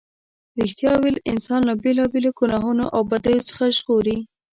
رښتیا ویل انسان له بېلا بېلو گناهونو او بدیو څخه ژغوري.